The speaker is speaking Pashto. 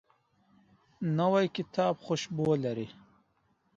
نوی کتاب خوشبو لري